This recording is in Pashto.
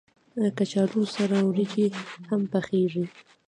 کچالو سره وريجې هم پخېږي